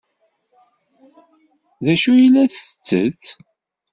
D acu ay la tettett?